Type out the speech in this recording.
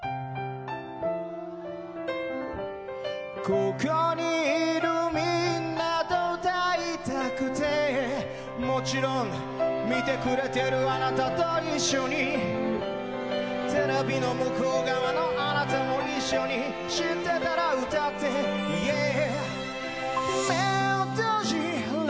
ここにいるみんなと歌いたくてもちろん見てくれてるあなたと一緒にテレビの向こう側のあなたも一緒に、知ってたら歌って、イエーイ。